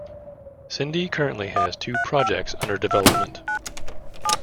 Cindy currently has two projects under development.